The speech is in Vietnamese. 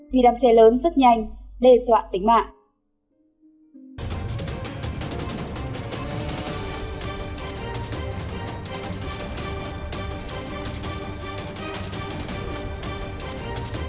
vì đám cháy lớn rất nhanh đe dọa tính mạng